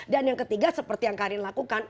dan yang ketiga seperti yang karin lakukan